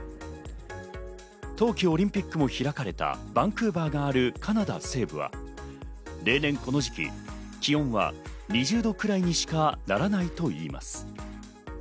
冬季オリンピックも開かれたバンクーバーがあるカナダ西部は例年この時期、気温は２０度くらいにしかならないといいます。